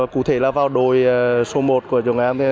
cụ thể là vào đội số một của chúng em